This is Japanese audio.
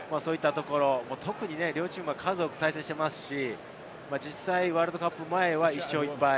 特に両チーム、数多く対戦していますし、実際、ワールドカップ前は１勝１敗。